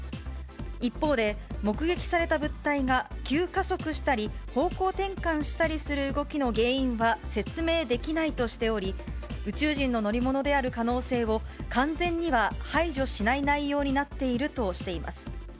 一方で、目撃された物体が急加速したり、方向転換したりする動きの原因は説明できないとしており、宇宙人の乗り物である可能性を完全には排除しない内容になっているとしています。